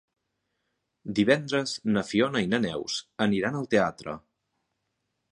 Divendres na Fiona i na Neus aniran al teatre.